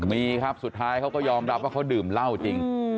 มีครับสุดท้ายเขาก็ยอมรับว่าเขาดื่มเหล้าจริง